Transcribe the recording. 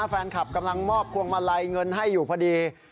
กำลังมอบพวงมาลัยเงินให้อยู่พอดี